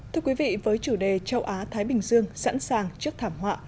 thưa quý vị với chủ đề châu á thái bình dương sẵn sàng trước thảm họa